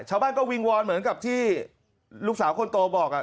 ชาวบ้านก็วิงวอนเหมือนกับที่ลูกสาวคนโตบอก